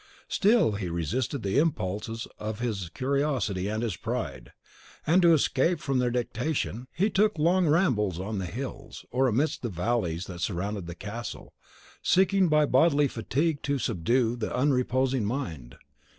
Still he resisted the impulses of his curiosity and his pride, and, to escape from their dictation, he took long rambles on the hills, or amidst the valleys that surrounded the castle, seeking by bodily fatigue to subdue the unreposing mind.